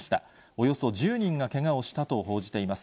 およそ１０人がけがをしたと報じています。